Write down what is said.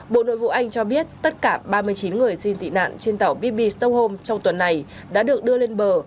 bộ nội vụ anh cho biết tất cả ba mươi chín người xin tị nạn trên tàu bb stockholm trong tuần này đã được đưa lên bờ